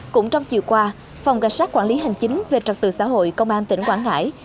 cũng trong chiều qua phòng cảnh sát quản lý hành chính về trật tự xã hội công an tỉnh quảng ngãi